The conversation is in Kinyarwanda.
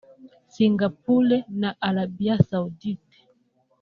Singapore na Arabie Saoudite